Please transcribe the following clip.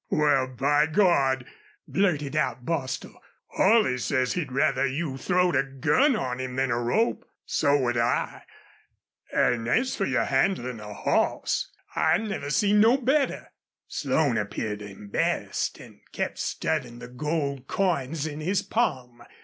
"Wal, by Gawd!" blurted out Bostil. "Holley says he'd rather you throwed a gun on him than a rope! So would I. An' as for your handlin' a hoss, I never seen no better." Slone appeared embarrassed and kept studying the gold coins in his palm.